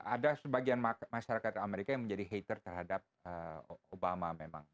ada sebagian masyarakat amerika yang menjadi hater terhadap obama memang